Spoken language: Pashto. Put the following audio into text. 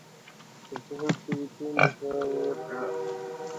په ذهن کې ويده نبوغ يې را ويښ شو.